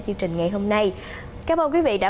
chương trình ngày hôm nay cảm ơn quý vị đã